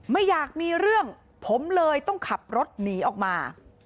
ไม่อยากมีเรื่องผมเลยต้องขับรถหนีออกมา